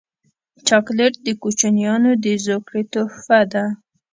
چاکلېټ د کوچنیانو د زوکړې تحفه ده.